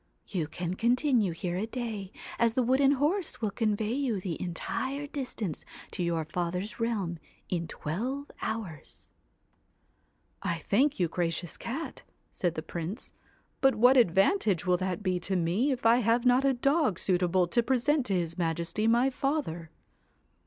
You can continue here a day, as the wooden horse will convey you the entire distance to your father's realm in twelve hours.' 213 THE 4 1 thank you, gracious Cat,' said the Prince, ' but HITE what advantage will that be to me, if I have not a CAT a dog suitable to present to his majesty, my father?'